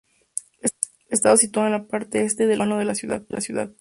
Está situado en la parte este del casco urbano de la ciudad.